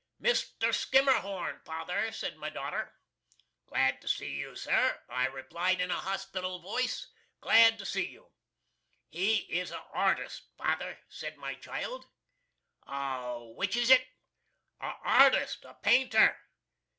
"Mr. Skimmerhorn, father," sed my dauter. "Glad to see you, Sir!" I replied in a hospittle vois "Glad to see you." "He is an artist, father," sed my child. "A whichist?" "An artist. A painter."